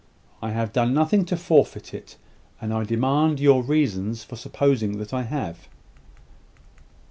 I have done nothing to forfeit it; and I demand your reasons for supposing that I have."